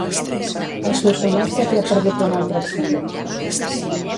Al Solsonès se t'hi ha perdut un altre accent